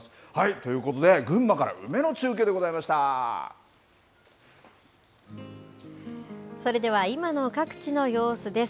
ということで、群馬から、梅の中それでは、今の各地の様子です。